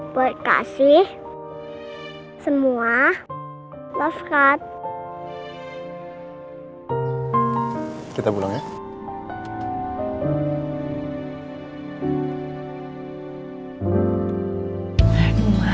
berkasih semua love card kita pulang ya